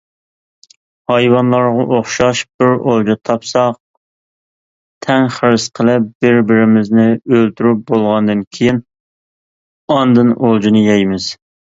ھايۋانلارغا ئوخشاش بىر ئولجا تاپساق تەڭ خىرىس قىلىپ بىر-بىرىمىزنى ئۆلتۈرۈپ بولغاندىن كىيىن ئاندىن ئولجىنى يەيمىز.